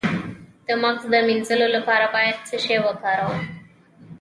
د مغز د مینځلو لپاره باید څه شی وکاروم؟